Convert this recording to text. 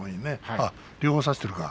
ああ、両方差しているか。